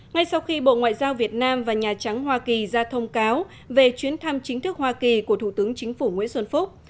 ngay sau khi bộ ngoại giao việt nam và nhà trắng hoa kỳ ra thông cáo về chuyến thăm chính thức hoa kỳ của thủ tướng chính phủ nguyễn xuân phúc